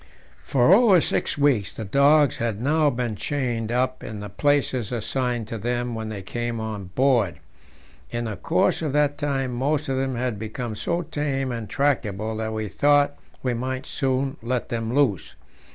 For over six weeks the dogs had now been chained up in the places assigned to them when they came on board. In the course of that time most of them had become so tame and tractable that we thought we might soon let them loose.